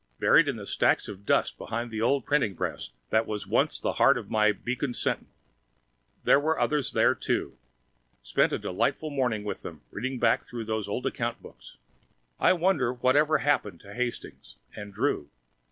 Buried in stacks of dust behind the old printing press that was once the heart of my Beacon Sentinel. There were others there too. Spent a delightful morning with them, reading back through those old account books. I wonder whatever happened to Hastings? And Drew?